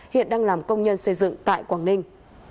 hiện đang làm công nhân xây dựng tại quảng ninh